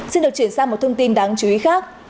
xin được chuyển sang một thông tin đáng chú ý khác